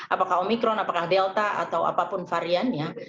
apakah omikron apakah delta atau apapun variannya